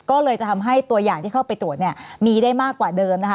ก็เลยจะทำให้ตัวอย่างที่เข้าไปตรวจเนี่ยมีได้มากกว่าเดิมนะคะ